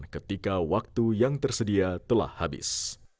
ketika waktu yang tersedia telah habis